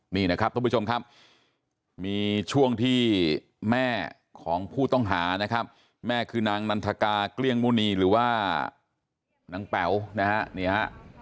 นี่นะครับทุกผู้ชมครับมีช่วงที่แม่ของผู้ต้องหานะครับแม่คือนางนันทกาเกลี้ยงมุณีหรือว่านางแป๋วนะฮะนี่ฮะ